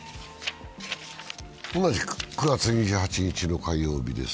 同じく９月２８日の火曜日です。